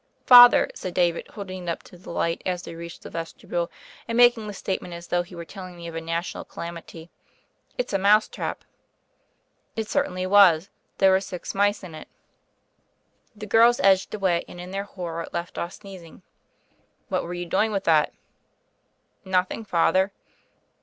"Father,'* said David, holding it up to the light as we reached the vestibule, and making the statement as though he were telling me of a national calamity, "it's a mouse trap." It certainly was ; there were six mice in it. The 136 THE FAIRY OF THE SNOWS girls edged away, and, in their horror, left oi sneezing. "What were you doing with that?" "Nothing, Father."